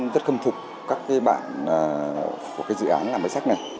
rất khâm phục các bạn của cái dự án làm với sách này